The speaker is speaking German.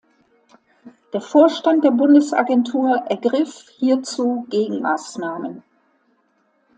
Der Vorstand der Bundesagentur ergriff hierzu Gegenmaßnahmen.